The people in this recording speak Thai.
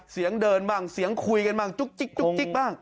เสียงเดินบ้างเสียงคุยกันบ้างจุ๊กจิ๊กบ้าง